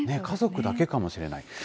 家族だけかもしれない。